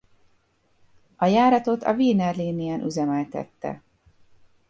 A járatot a Wiener Linien üzemeltette.